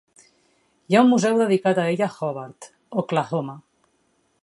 Hi ha un museu dedicat a ell a Hobart, Oklahoma.